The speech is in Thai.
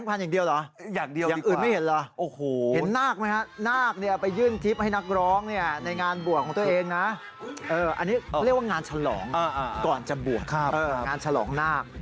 อันนี้เรียกว่างานฉลองก่อนจะบวชงานฉลองนาค